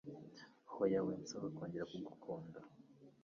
Hoya winsaba kongera kugukunda